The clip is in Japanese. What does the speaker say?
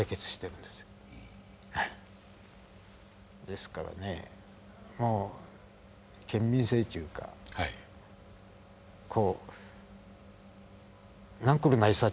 ですからねもう県民性ちゅうかこう「なんくるないさ」